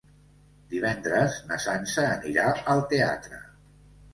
Divendres na Sança anirà al teatre.